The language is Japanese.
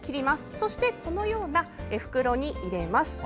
そして、このような袋に入れます。